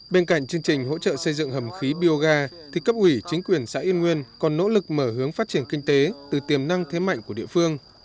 bên cạnh chương trình hỗ trợ xây dựng hầm khí bioga thì cấp ủy chính quyền xã yên nguyên còn nỗ lực mở hướng phát triển kinh tế từ tiềm năng thế mạnh của địa phương